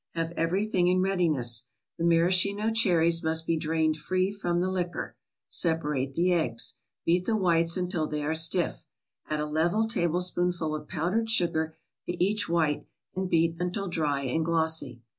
Have everything in readiness. The maraschino cherries must be drained free from the liquor. Separate the eggs. Beat the whites until they are stiff. Add a level tablespoonful of powdered sugar to each white, and beat until dry and glossy.